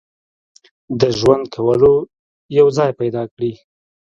د ژوند کولو یو ځای پیدا کړي.